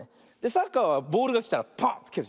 サッカーはボールがきたらポーンってける。